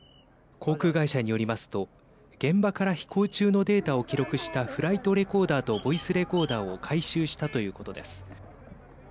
航空会社によりますと現場から飛行中のデータを記録したフライトレコーダーとボイスレコーダーを回収したということです。